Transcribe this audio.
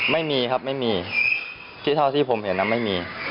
ไม่มีครับไม่มีที่เท่าที่ผมเห็นไม่มี